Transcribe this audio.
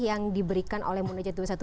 yang diberikan oleh munajat dua ratus dua belas